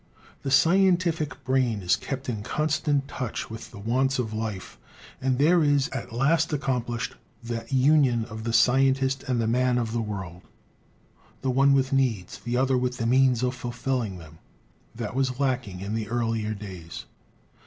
The scientific brain is kept in constant touch with the wants of life, and there is at last accomplished that union of the scientist and the man of the world — the one with needs, the other with the means of fulfilling them — that was lacking in the earlier days.